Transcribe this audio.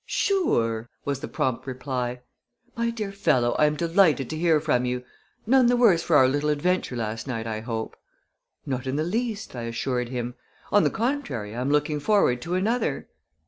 "Sure!" was the prompt reply. "My dear fellow, I am delighted to hear from you. None the worse for our little adventure last night, I hope?" "Not in the least," I assured him. "On the contrary I am looking forward to another."